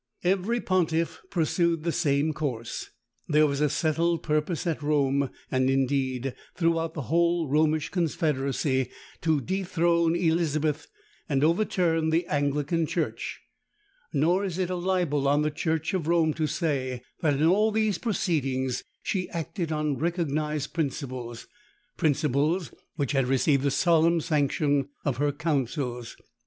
Every pontiff pursued the same course. There was a settled purpose at Rome, and, indeed, throughout the whole Romish confederacy, to dethrone Elizabeth and overturn the Anglican church; nor is it a libel on the church of Rome to say, that in all these proceedings, she acted on recognised principles—principles which had received the solemn sanction of her councils.